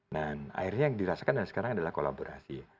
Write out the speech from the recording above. nah akhirnya yang dirasakan dari sekarang adalah kolaborasi